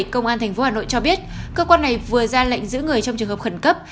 công an tp hà nội cho biết cơ quan này vừa ra lệnh giữ người trong trường hợp khẩn cấp